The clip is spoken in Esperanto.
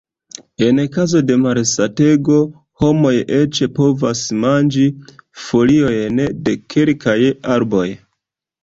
En kazo de malsatego, homoj eĉ povos manĝi foliojn de kelkaj arboj.